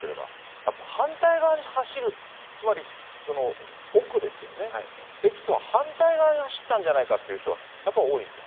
やっぱり反対側に走る、つまり、奥ですよね、駅とは反対側に走ったんじゃないかという人がやっぱ多いんですよ